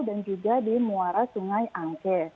dan juga di muara sungai angke